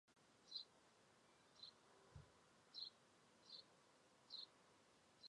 其国土北端只有在维多利亚瀑布附近与赞比亚接触。